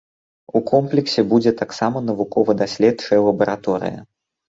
У комплексе будзе таксама навукова-даследчая лабараторыя.